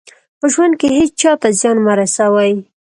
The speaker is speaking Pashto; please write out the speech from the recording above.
په ژوند کې هېڅ چا ته زیان مه رسوئ.